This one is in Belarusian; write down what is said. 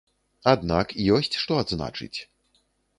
Аднак ёсць што адзначыць.